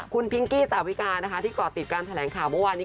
คุณพิงกี้สาวิกานะคะที่ก่อติดการแถลงข่าวเมื่อวานนี้